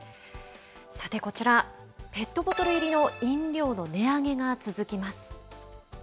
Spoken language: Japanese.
さてこちら、ペットボトル入りの飲料の値上げが続きます。